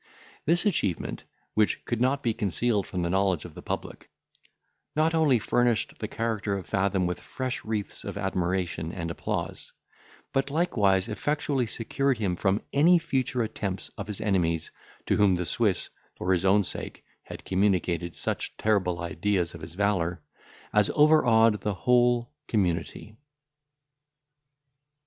This achievement, which could not be concealed from the knowledge of the public, not only furnished the character of Fathom with fresh wreaths of admiration and applause, but likewise effectually secured him from any future attempts of his enemies, to whom the Swiss, for his own sake, had communicated such terrible ideas of his valour, as overawed the whole community.